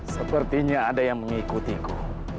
sepertinya ada yang mengikutiku